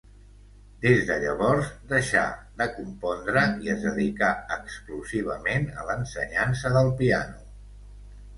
Des de llavors, deixà de compondre i es dedicà exclusivament a l'ensenyança del piano.